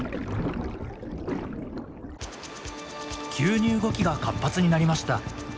急に動きが活発になりました。